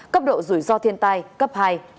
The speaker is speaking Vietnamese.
cấp độ rủi ro thiên tai cấp hai